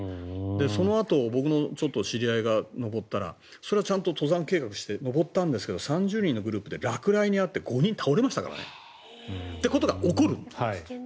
そのあと僕の知り合いが登ったらそれはちゃんと登山計画して登ったんですけど３０人のグループで落雷に遭って５人倒れましたからね。ということが起こるんです。